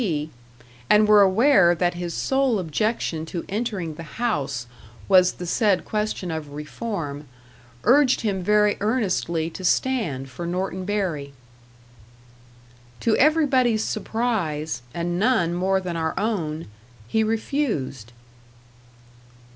P., and were aware that his sole objection to entering the House was the said question of Reform, urged him very earnestly to stand for Norton Bury. To everybody's surprise, and none more than our own, he refused.